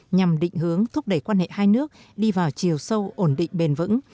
nhằm định hướng thúc đẩy quan hệ hai nước đi vào chiều sâu ổn định bền vững